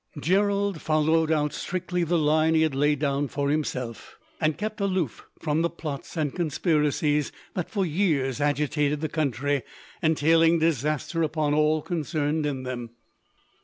Gerald followed out strictly the line he had laid down for himself, and kept aloof from the plots and conspiracies that, for years, agitated the country, entailing disaster upon all concerned in them.